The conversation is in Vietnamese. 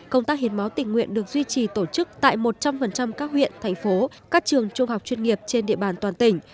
công tác hiến máu tình nguyện được duy trì tổ chức tại một trăm linh các huyện thành phố các trường trung học chuyên nghiệp trên địa bàn toàn tỉnh